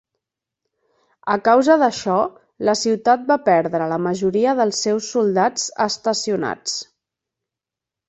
A causa d'això, la ciutat va perdre la majoria dels seus soldats estacionats.